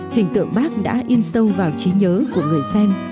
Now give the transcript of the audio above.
hình tượng bác đã in sâu vào trí nhớ của người xem